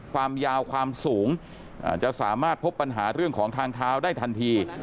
ความยาวความสูงจะสามารถพบปัญหาเรื่องของทางเท้าได้ทันที